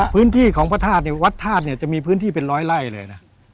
พื้นที่ของพระธาตุเนี่ยวัดธาตุเนี่ยจะมีพื้นที่เป็นร้อยไล่เลยนะ